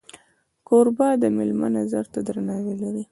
کوربه د میلمه نظر ته درناوی لري.